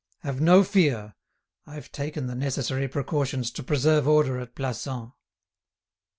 Have no fear, I've taken the necessary precautions to preserve order at Plassans."